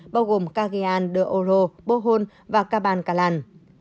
bao gồm cagayan de oro bohol và cabancalan